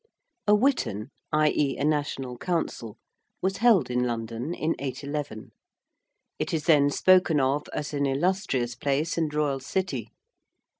A witan i.e. a national council was held in London in 811. It is then spoken of as an illustrious place and royal city.